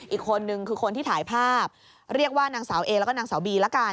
อีกคนนึงคือคนที่ถ่ายภาพเรียกว่านางสาวเอแล้วก็นางสาวบีละกัน